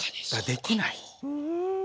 できない。